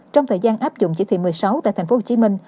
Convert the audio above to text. trong thời gian áp dụng chỉ thị một mươi sáu tại tp hcm